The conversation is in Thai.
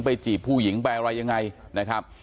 จีบผู้หญิงไปอะไรยังไงนะครับ